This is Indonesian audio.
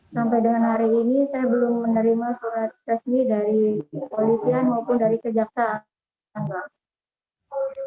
sampai dengan hari ini saya belum menerima surat resmi dari polisian maupun dari kejaksaan